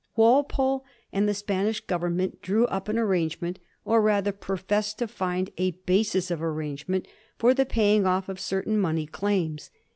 Walpole and the Spanish Government drew up an arrangement, or rather professed to find a basis of arrangement, for the paying off of certain money claims.